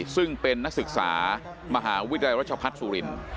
ซึ่งเป็นนักศึกษามหาวิทยาลัยรัชพัฒน์สุรินทร์